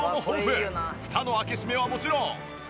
フタの開け閉めはもちろん。